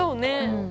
うん。